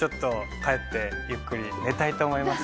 帰ってゆっくり寝たいと思います。